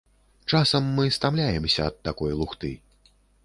Часам мы стамляемся ад такой лухты!